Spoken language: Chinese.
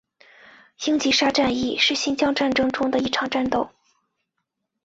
英吉沙战役是新疆战争中的一场战斗。